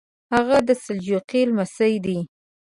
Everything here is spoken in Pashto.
هغه د سلجوقي لمسی دی.